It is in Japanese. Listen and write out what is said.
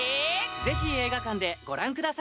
ぜひ映画館でごらんください